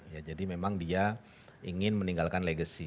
ya jadi memang dia ingin meninggalkan legacy